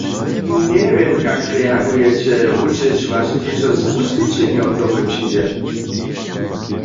Njewěm, kak reagujeće, ručež waše dźěćo z wuswědčenjom domoj přińdźe.